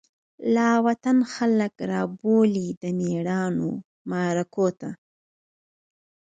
لاوطن خلک رابولی، دمیړانومعرکوته